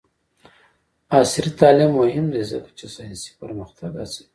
عصري تعلیم مهم دی ځکه چې ساینسي پرمختګ هڅوي.